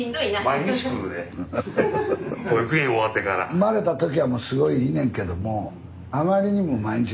生まれた時はもうすごいいいねんけども毎日。